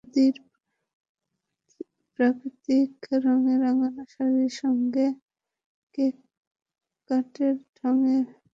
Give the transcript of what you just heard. সুতির প্রাকৃতিক রঙে রাঙানো শাড়ির সঙ্গে কেপ কোটের ঢঙে পরলেন সেটা।